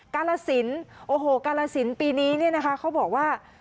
กาลสินโอ้โหกาลสินปีนี้เนี่ยนะคะเขาบอกว่า